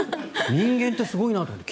人間ってすごいなと思って。